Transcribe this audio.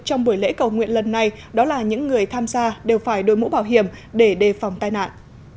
trong buổi lễ cầu nguyện lần này đó là những người tham gia đều phải đối mũ bảo hiểm để đề phòng tai nạn